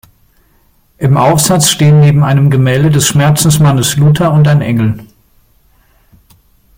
Im Aufsatz stehen neben einem Gemälde des Schmerzensmannes Luther und ein Engel.